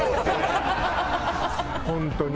本当に。